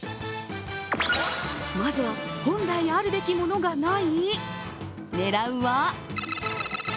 まずは、本来あるべきものがない？